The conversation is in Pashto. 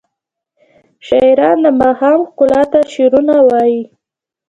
شاعران د ماښام ښکلا ته شعرونه وايي.